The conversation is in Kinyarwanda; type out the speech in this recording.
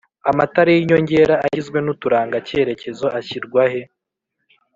amatara y’inyongera agizwe n’uturanga kerekezo ashyirwahe